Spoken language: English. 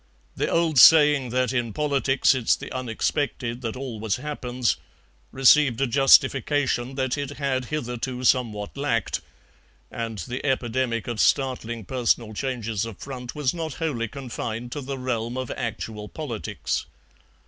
The old saying that in politics it's the unexpected that always happens received a justification that it had hitherto somewhat lacked, and the epidemic of startling personal changes of front was not wholly confined to the realm of actual politics.